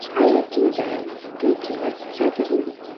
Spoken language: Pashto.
آیا دوی دا توکي نه صادروي؟